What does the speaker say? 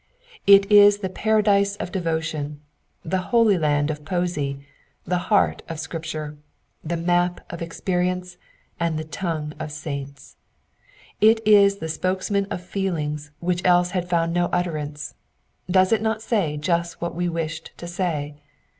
It is the Paradise of de votion, the Holy Land of poesy, the heart of Scripture, the map of experience, and the tongue of saints. It is the spokesman of feelings which else had found no utterance. Does it not say just what we wished to say?